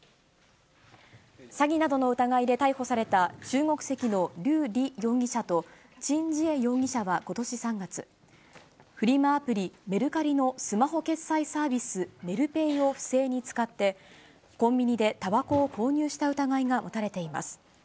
詐欺などの疑いで逮捕された、中国籍の劉莉容疑者と陳杰容疑者はことし３月、フリマアプリ、メルカリのスマホ決済サービス、メルペイを不正に使って、コンビニでたばこを購入した疑いが持たれています。